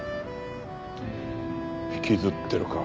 引きずってるか。